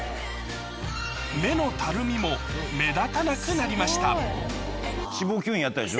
目のたるみも目立たなくなりました